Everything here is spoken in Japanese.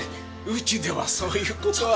うちではそういう事は。